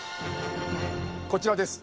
こちらです。